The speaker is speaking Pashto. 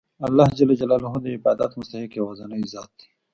الله د عبادت مستحق یوازینی ذات دی.